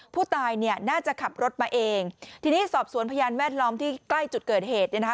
ผู้ตายเนี่ยน่าจะขับรถมาเองทีนี้สอบสวนพยานแวดล้อมที่ใกล้จุดเกิดเหตุเนี่ยนะคะ